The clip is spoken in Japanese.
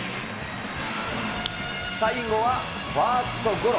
最後はファーストゴロ。